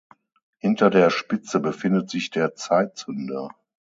Hinter der Spitze befindet sich der Zeitzünder.